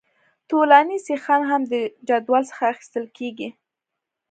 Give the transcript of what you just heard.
طولاني سیخان هم د جدول څخه اخیستل کیږي